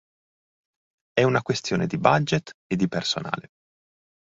È una questione di budget e di personale.